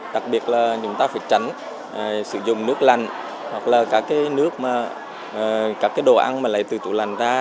đặc biệt là chúng ta phải tránh sử dụng nước lạnh hoặc là các cái nước mà các cái đồ ăn mà lại từ tủ lạnh ra